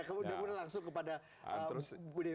kemudian langsung kepada ibu dewi